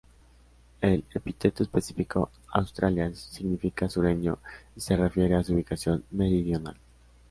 El epíteto específico "australis" significa "sureño" y se refiere a su ubicación meridional.